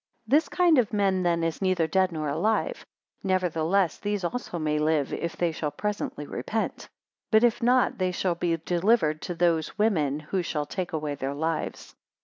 197 This kind of men then is neither dead nor alive; nevertheless these also may live, if they shall presently repent; but if not, they shall be delivered to those women, who shall take away their lives.